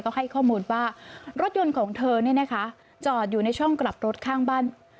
ก็ให้ข้อมูลว่ารถยนต์ของเธอเจาะอยู่ในช่องกลับรถข้างบาน